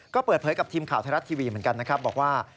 ก็เปิดเผยกับทีมข่าวไทยรัฐทีวีเหมือนกันนะครับบอกว่า